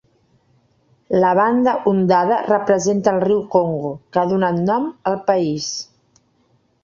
La banda ondada representa el riu Congo, que ha donat nom al país.